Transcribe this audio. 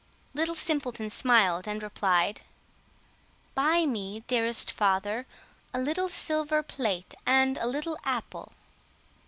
Little Simpleton smiled and replied— "Buy me, dearest father, a little silver plate and a little apple."